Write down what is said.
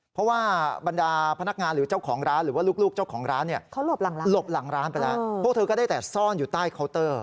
เพราะว่าบรรดาพนักงานหรือเจ้าของร้านหรือลูก